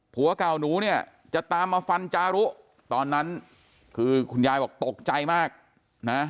ผัวเก่าหนูเนี่ยจะตามมาฟันจารุตอนนั้นคือคุณยายบอกตกใจมากนะ